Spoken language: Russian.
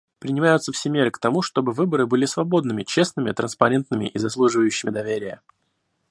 Принимаются все меры к тому, чтобы выборы были свободными, честными, транспарентными и заслуживающими доверия.